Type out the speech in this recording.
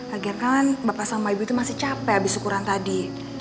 akhirnya kan bapak sama ibu itu masih capek habis ukuran tadi